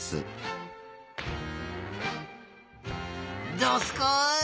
どすこい！